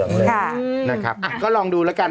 โอเคโอเคโอเค